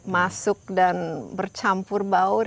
masuk dan bercampur baur